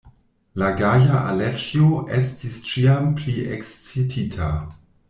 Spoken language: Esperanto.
La gaja Aleĉjo estis ĉiam pli ekscitita.